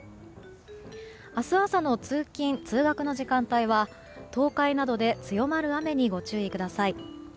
明日朝の通勤・通学の時間帯は東海などで強まる雨にご注意ください。